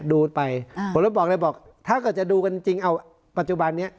ดูไปผมแล้วบอกเลยบอกถ้าเกิดจะดูกันจริงเอาปัจจุบันนี้